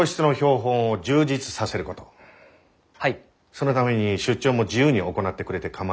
そのために出張も自由に行ってくれて構わない。